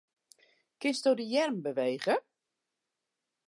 Kinsto de earm bewege?